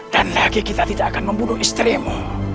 dan lagi kita tidak akan membunuh istrimu